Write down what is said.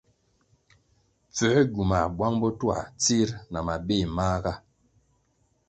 Pfęr gywumah buang botuah tsir na mabéh mahga.